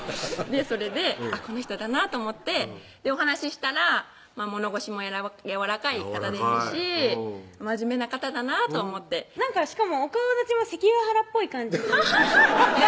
それでこの人だなと思ってお話したら物腰もやわらかい方ですしまじめな方だなぁと思ってしかもお顔だちも関ヶ原っぽい感じ